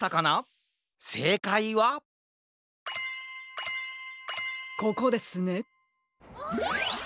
せいかいはここですね。